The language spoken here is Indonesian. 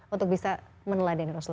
untuk bisa meneladani rosul